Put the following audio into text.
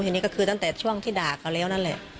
ทีนี้ก็คือตั้งแต่ช่วงที่ด่าเขาแล้วนั่นแหละ